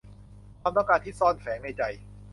ความต้องการที่ซ่อนแฝงอยู่ในใจ